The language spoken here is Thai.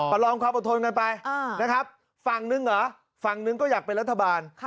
ประลองความอดทนกันไปฝั่งหนึ่งก็อยากเป็นรัฐบาล